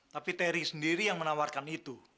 tapi teri sendiri yang menawarkan itu